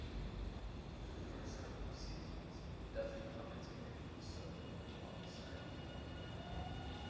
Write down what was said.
For the first couple of seasons, Duthie commentated for the show alongside Colin Murray.